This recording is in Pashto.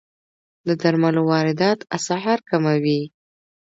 د درملو واردات اسعار کموي.